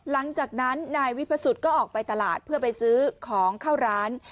หลังจากนั้นนายวิพสุทธิก็ออกไปตลาดเพื่อไปซื้อของเข้าร้าน